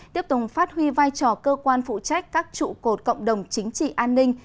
tiếp tục phát huy vai trò cơ quan phụ trách các trụ cột cộng đồng chính trị an ninh